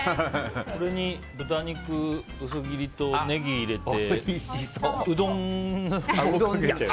これに豚肉薄切りとネギ入れてうどんにかけちゃえば。